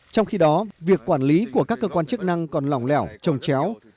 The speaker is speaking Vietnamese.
trong khi đó việc quản lý của các cơ quan chức năng còn lỏng lẻo trồng chéo